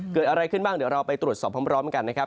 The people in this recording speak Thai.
เกิดอะไรขึ้นบ้างเดี๋ยวเราไปตรวจสอบพร้อมกันนะครับ